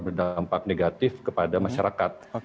berdampak negatif kepada masyarakat